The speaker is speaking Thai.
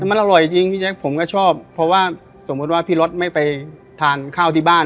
มันอร่อยจริงพี่แจ๊คผมก็ชอบเพราะว่าสมมุติว่าพี่รถไม่ไปทานข้าวที่บ้าน